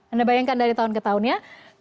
anda bayangkan dari tahun ke tahunnya